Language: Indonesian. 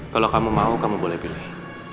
kalau kamu mau kamu boleh pilih